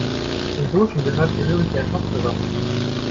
Dem Burschen gehört gehörig der Kopf gewaschen!